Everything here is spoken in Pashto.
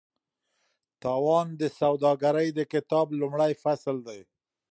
تاوان د سوداګرۍ د کتاب لومړی فصل دی.